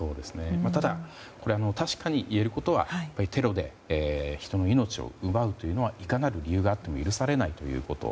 ただ、確かに言えることはテロで人の命を奪うというのはいかなる理由があっても許されないということ。